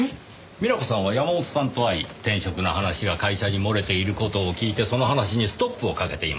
美奈子さんは山本さんと会い転職の話が会社に漏れている事を聞いてその話にストップをかけています。